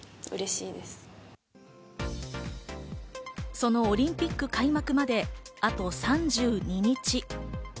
そのオリンピック開幕まで、あと３２日。